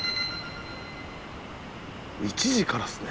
１時からですね。